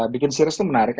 bikin series tuh menarik